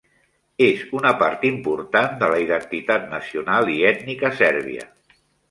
És una part important de la identitat nacional i ètnica sèrbia.